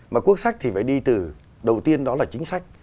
mà quốc sách thì phải đi từ đầu tiên đó là chính sách